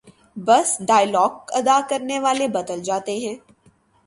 بس ڈائیلاگ ادا کرنے والے بدل جاتے ہیں۔